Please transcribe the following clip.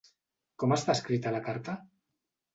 Com està escrita la carta?